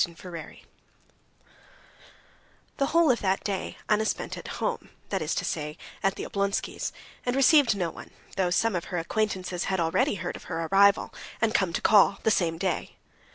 Chapter 20 The whole of that day Anna spent at home, that's to say at the Oblonskys', and received no one, though some of her acquaintances had already heard of her arrival, and came to call the same day.